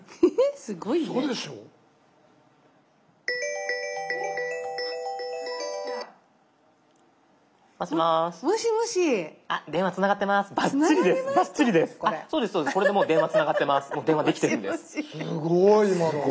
すごい今の。